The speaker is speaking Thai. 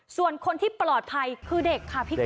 ส่วนคนที่ปลอดภัยคือเด็กค่ะพี่ก๊